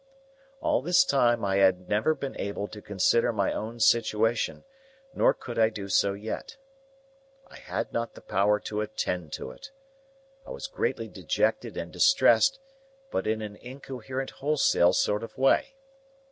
All this time I had never been able to consider my own situation, nor could I do so yet. I had not the power to attend to it. I was greatly dejected and distressed, but in an incoherent wholesale sort of way.